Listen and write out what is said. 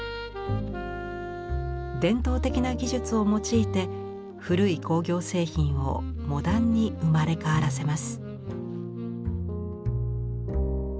伝統的な技術を用いて古い工業製品をモダンに生まれ変わらせます。